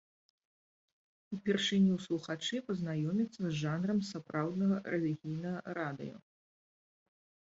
Упершыню слухачы пазнаёміцца з жанрам сапраўднага рэлігійнага радыё.